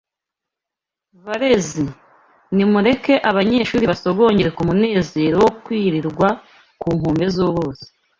Barezi, nimureke abanyeshuri basogongere ku munezero wo kwirirwa ku nkombe z’uruzi